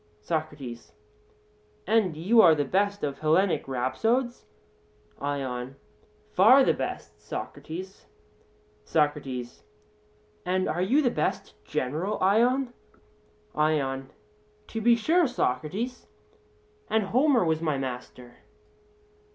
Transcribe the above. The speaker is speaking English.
SOCRATES: And you are the best of Hellenic rhapsodes? ION: Far the best, Socrates. SOCRATES: And are you the best general, Ion? ION: To be sure, Socrates; and Homer was my master.